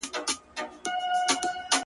چي عبرت سي بل نا اهله او ګمراه ته،